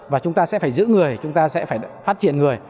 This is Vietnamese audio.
và chúng ta sẽ phải giữ người chúng ta sẽ phải phát triển người